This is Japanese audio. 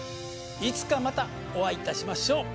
いつかまたお会いいたしましょう。